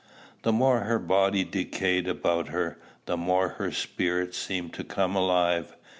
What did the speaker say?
The more her body decayed about her, the more her spirit seemed to come alive.